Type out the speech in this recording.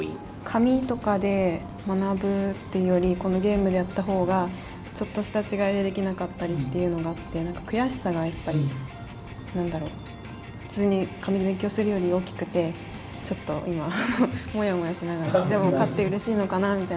紙とかで学ぶっていうよりこのゲームでやった方がちょっとした違いでできなかったりっていうのがあって何か悔しさがやっぱり何だろ普通に紙で勉強するより大きくてちょっと今もやもやしながらでも勝ってうれしいのかなみたいな気分で。